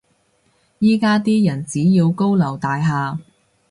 依家啲人只要高樓大廈